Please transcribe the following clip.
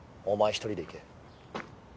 お前一人で行け。